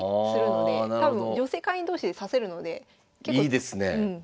いいですね。